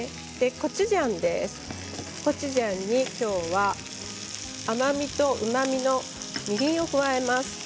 コチュジャンに、きょうは甘みとうまみのみりんを加えます。